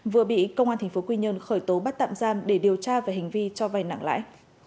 vừa bị công an tp quy nhơn khởi tố bắt tạm giam để điều tra về hành vi cho vay nặng lãi